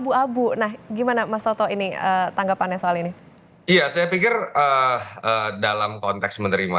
dua ribu dua puluh empat abu abu nah gimana mas toto ini tanggapannya soal ini iya saya pikir dalam konteks menerima